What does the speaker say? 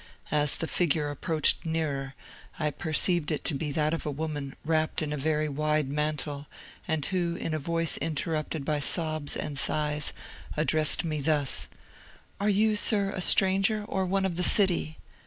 As the figure approached nearer, I perceived it to be that of a woman, wrapped in a very wide mantle, and who, in a voice interrupted by sobs and sighs, addressed me thus, 'Are you, sir, a stranger, or one of the city?'